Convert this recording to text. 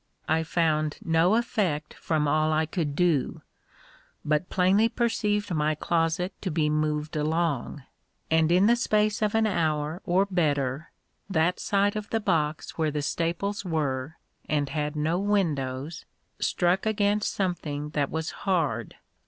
I found no effect from all I could do, but plainly perceived my closet to be moved along; and in the space of an hour, or better, that side of the box where the staples were, and had no windows, struck against something that was hard.